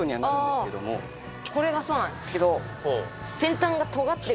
これがそうなんですけど。